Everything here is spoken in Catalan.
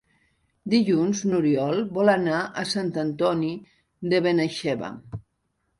Dilluns n'Oriol vol anar a Sant Antoni de Benaixeve.